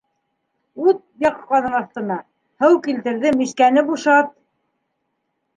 Ут яҡ ҡаҙан аҫтына! һыу килтерҙем, мискәне бушат!